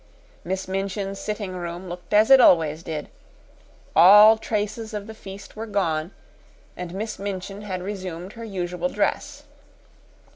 Miss Minchin's sitting room looked as it always did all traces of the feast were gone, and Miss Minchin had resumed her usual dress.